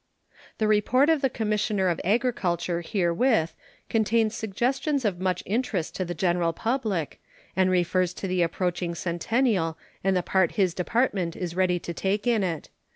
The report of the Commissioner of Agriculture herewith contains suggestions of much interest to the general public, and refers to the approaching Centennial and the part his Department is ready to take in it.